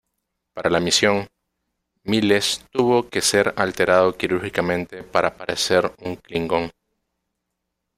Para la misión, Miles tuvo que ser alterado quirúrgicamente para parecer un klingon.